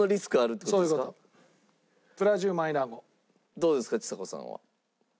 どうですかちさ子さんは。